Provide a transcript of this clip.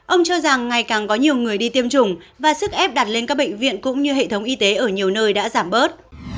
ông cho rằng ngày càng có nhiều người đi tiêm chủng và sức ép đặt lên các bệnh viện cũng như hệ thống y tế ở nhiều nơi đã giảm bớt